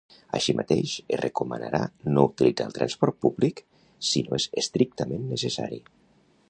Així mateix, es recomanarà no utilitzar el transport públic si no és estrictament necessari.